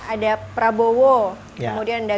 ada prabowo kemudian ada